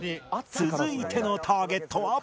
続いてのターゲットは？